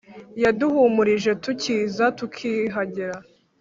yaduhumurije tukiza, tukihagera